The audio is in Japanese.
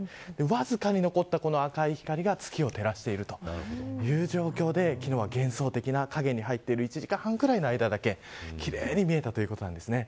わずかに残った赤い光が月を照らしているという状況で昨日は幻想的な影に入っている１時間ぐらいの間だけ奇麗に見えたということなんですね。